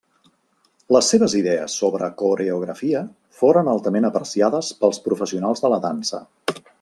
Les seves idees sobre coreografia foren altament apreciades pels professionals de la dansa.